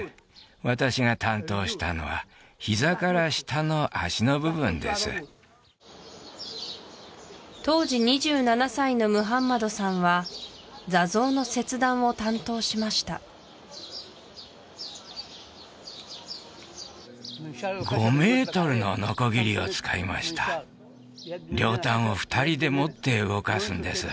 私が担当したのは膝から下の脚の部分です当時２７歳のムハンマドさんは座像の切断を担当しました５ｍのノコギリを使いました両端を２人で持って動かすんです